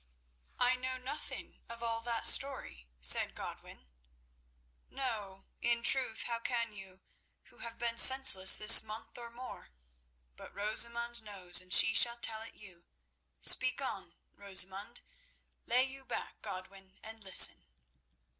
"I know nothing of all that story," said Godwin. "No, in truth, how can you, who have been senseless this month or more? But Rosamund knows, and she shall tell it you. Speak on, Rosamund. Lay you back, Godwin, and listen."